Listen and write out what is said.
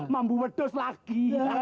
mambu bedos lagi